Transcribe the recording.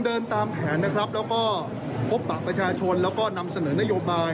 เดินตามแผนนะครับแล้วก็พบปะประชาชนแล้วก็นำเสนอนโยบาย